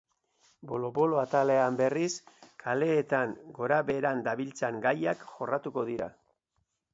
Bolo-bolo atalean, berriz, kaleetan gora beheran dabiltzan gaiak jorratuko dira.